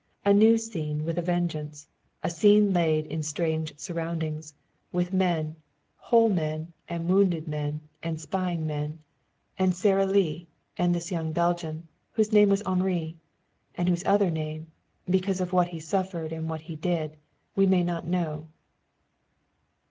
A new scene with a vengeance, a scene laid in strange surroundings, with men, whole men and wounded men and spying men and Sara Lee and this young Belgian, whose name was Henri and whose other name, because of what he suffered and what he did, we may not know.